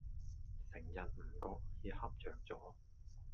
成日唔覺意恰著左